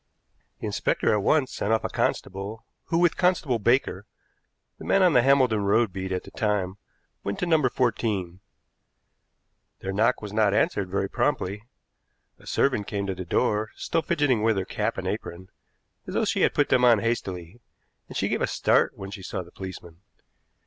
The inspector at once sent off a constable, who, with Constable Baker, the man on the Hambledon Road beat at the time, went to No. 14. Their knock was not answered very promptly. A servant came to the door, still fidgeting with her cap and apron, as though she had put them on hastily, and she gave a start when she saw the policeman.